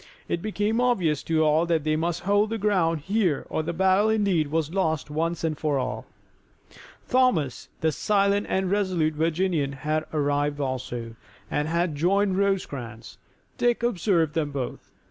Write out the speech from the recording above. It became obvious to all that they must hold the ground here or the battle indeed was lost once and for all. Thomas, the silent and resolute Virginian, had arrived also, and had joined Rosecrans. Dick observed them both.